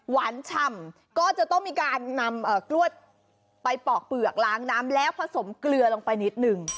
ฉ่ำก็จะต้องมีการนำกล้วยไปปอกเปลือกล้างน้ำแล้วผสมเกลือลงไปนิดนึง